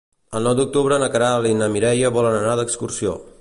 El nou d'octubre na Queralt i na Mireia volen anar d'excursió.